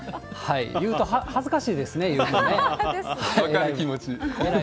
言うと恥ずかしいですね、言うと分かる、気持ち。